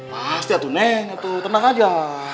pasti tuh neng ternyata aja